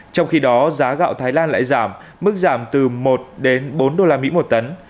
trong khi đó giá gạo thái lan lại giảm mức giảm từ một đến bốn usd một tấn